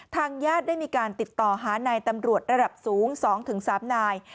ทางญาติได้มีการติดต่อหานายตำรวจระดับสูง๒๓นาย